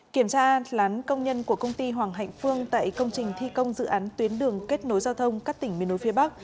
kiểm tra lán công nhân của công ty hoàng hạnh phương tại công trình thi công dự án tuyến đường kết nối giao thông các tỉnh miền nối phía bắc